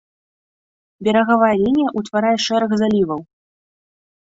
Берагавая лінія ўтварае шэраг заліваў.